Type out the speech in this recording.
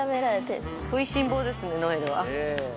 食いしん坊ですねノエルは。